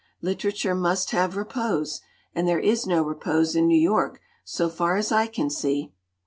Literature must have repose, and there is no repose in New York so far as I can see.